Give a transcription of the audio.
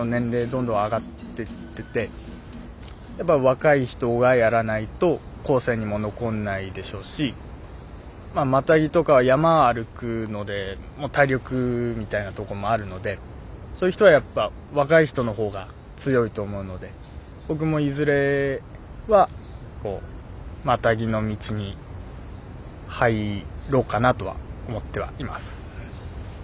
どんどん上がってっててやっぱ若い人がやらないと後世にも残んないでしょうしまあマタギとか山歩くので体力みたいなとこもあるのでそういう人はやっぱ若い人の方が強いと思うので僕もいずれはこうマタギの道に入ろうかなとは思ってはいます。